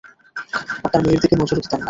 আপনার মেয়ের দিকে নজরও দিতাম না।